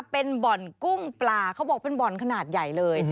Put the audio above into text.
เป็นบ่อนกุ้งปลาเขาบอกเป็นบ่อนขนาดใหญ่เลย